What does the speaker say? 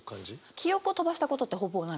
記憶を飛ばしたことってほぼなくて。